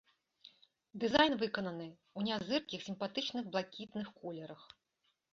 Дызайн выкананы ў нязыркіх сімпатычных блакітных колерах.